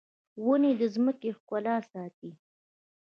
ونې د ځمکې ښکلا ساتي